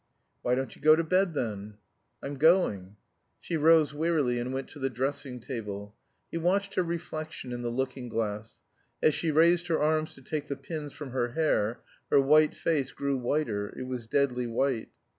"Why don't you go to bed, then?" "I'm going." She rose wearily and went to the dressing table. He watched her reflection in the looking glass. As she raised her arms to take the pins from her hair, her white face grew whiter, it was deadly white.